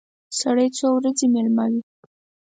سړی څو ورځې مېلمه وي.